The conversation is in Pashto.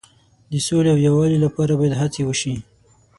د سولې او یووالي لپاره باید هڅې وشي.